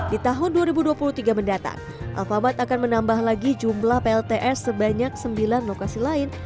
di tahun dua ribu dua puluh tiga mendatang alphamart akan menambah lagi jumlah plts sebanyak sembilan lokasi lain